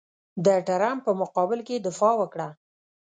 د ټرمپ په مقابل کې یې دفاع وکړه.